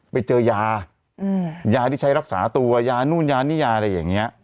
ไปเจอยายาที่ใช้รักษาตัวยานู่นยานี่ยาอะไรอย่างนี้